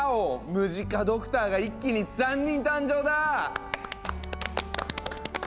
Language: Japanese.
ムジカドクターが一気に３人誕生だ！